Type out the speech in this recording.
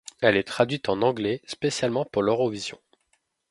Elle est traduite en anglais spécialement pour l'Eurovision.